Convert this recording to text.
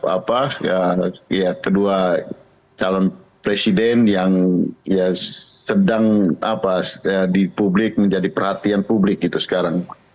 apa ya kedua calon presiden yang ya sedang apa di publik menjadi perhatian publik gitu sekarang